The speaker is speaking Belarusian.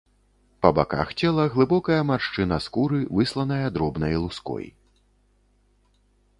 Па баках цела глыбокая маршчына скуры, высланая дробнай луской.